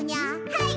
はい。